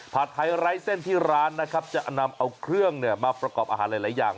ไทยไร้เส้นที่ร้านนะครับจะนำเอาเครื่องเนี่ยมาประกอบอาหารหลายอย่าง